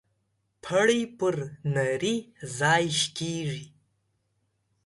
پړى پر نري ځاى شکېږي.